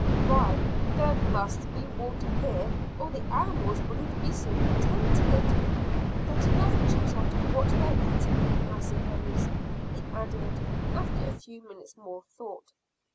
"Why, there must be water here, or the animals wouldn't be so contented. Get enough juice out of what they're eating, I suppose," he added, after a few minutes' more thought.